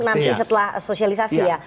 nanti setelah sosialisasi ya